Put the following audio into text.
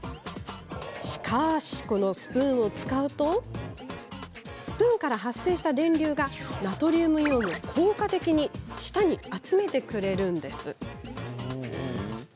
しかし、このスプーンを使うとスプーンから発生した電流がナトリウムイオンを効果的に舌に集めてくれるんです。